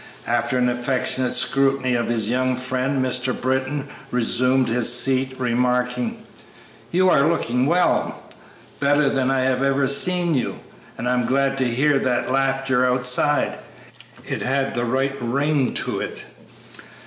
After an affectionate scrutiny of his young friend Mr. Britton resumed his seat, remarking, "You are looking well better than I have ever seen you; and I was glad to hear that laughter outside; it had the right ring to it."